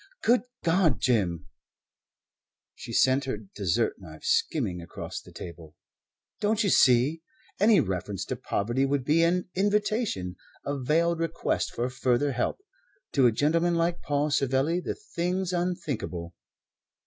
Good God, Jim" she sent her dessert knife skimming across the table "don't you see? Any reference to poverty would be an invitation a veiled request for further help. To a gentleman like Paul Savelli, the thing's unthinkable."